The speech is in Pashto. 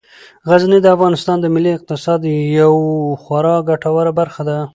غزني د افغانستان د ملي اقتصاد یوه خورا ګټوره برخه ده.